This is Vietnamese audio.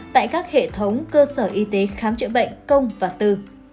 tại các hệ thống cơ sở y tế khám chữa bệnh công và tư